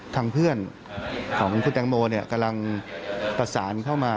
ทางเพื่อนของคุณแตงโมกำลังประสานเข้ามา